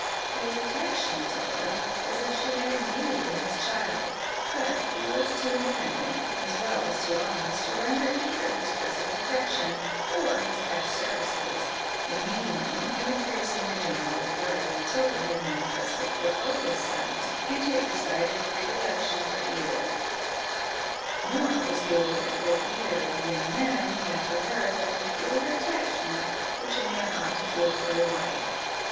He was attached to Matilda, as if she had indeed been his child, but he was too independent, as well as too honest, to render either his present affection, or his past services, the medium of increasing the general regard Matilda had manifested for both his sons into a decided predilection for either: nor was he aware that either of the young men had for her that peculiar attachment which a man ought to feel for a wife.